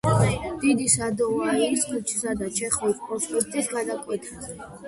დიდი სადოვაიის ქუჩისა და ჩეხოვის პროსპექტის გადაკვეთაზე.